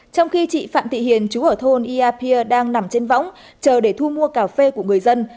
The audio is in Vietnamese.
trong khi chị phạm thị hiền chú ở thôn iapia đang nằm trên võng chờ để thu mua cà phê của người dân